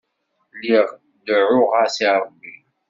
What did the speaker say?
Lliɣ deɛɛuɣ-as i Ṛebbi.